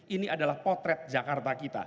ini adalah potret jakarta kita